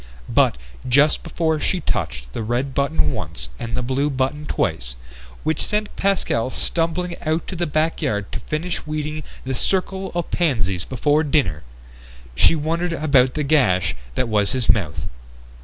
But just before she touched the red button once and the blue button twice which sent Pascal stumbling out to the backyard to finish weeding the circle of pansies before dinner she wondered about the gash that was his mouth.